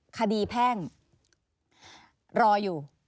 คดีแพ่งรออยู่